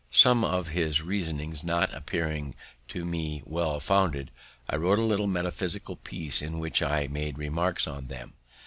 Some of his reasonings not appearing to me well founded, I wrote a little metaphysical piece in which I made remarks on them.